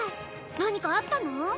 何かあったの？